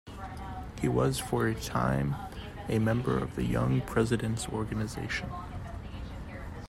He was for a time a member of the Young Presidents' Organization.